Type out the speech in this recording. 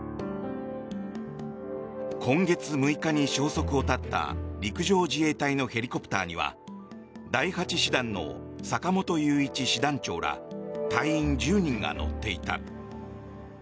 今月６日に消息を絶った陸上自衛隊のヘリコプターには第８師団の坂本雄一師団長ら隊員１０人が乗っていた。